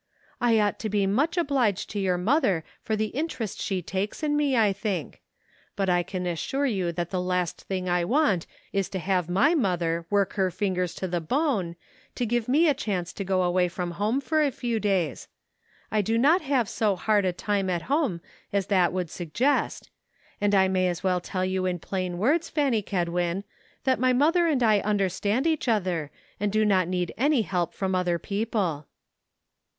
"I ought to be much obliged to your mother for the interest she takes in me, I think. But I can assure you that the last thing I want is tc have my mother 'work her fingers to the bone' to give me a chance to go away from home for a few days. I do not have so hard a 14 DISAPPOINTMENT. time at home as that would suggest; and I may as well tell you in plain words, Fanny Kedwin, that my mother and I understand each other, and do not need any help from other people."